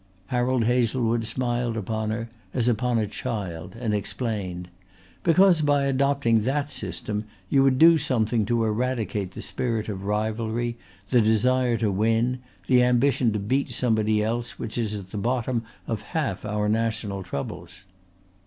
Harold Hazlewood smiled upon her as upon a child and explained: "Because by adopting that system you would do something to eradicate the spirit of rivalry, the desire to win, the ambition to beat somebody else which is at the bottom of half our national troubles."